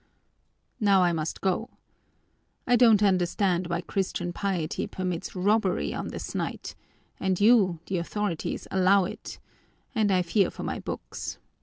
"Now I must go. I don't understand why Christian piety permits robbery on this night and you, the authorities, allow it and I fear for my books.